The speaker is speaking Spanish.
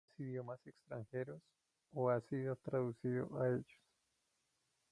Ha publicado en varios idiomas extranjeros o ha sido traducido a ellos.